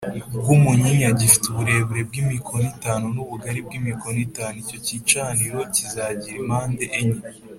bw umunyinya gi te uburebure bw imikono itanu n ubugari bw imikono itanu Icyo gicaniro b kizagire impande enye